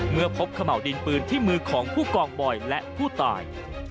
เมื่อพบขม่าวดินปืนที่มือของผู้กองบอยและผู้ตาย